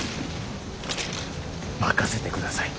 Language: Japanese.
任せてください。